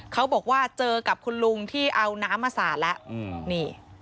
เขาบอกว่าเจอกับคุณลุงที่เอาน้ำมาสาดแล้วนี่